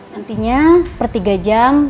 nantinya per tiga jam